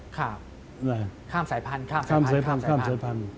ค่ะข้ามสายพันธุ์